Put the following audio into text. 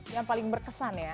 yang paling berkesan ya